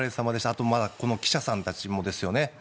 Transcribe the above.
あと記者さんたちもですよね。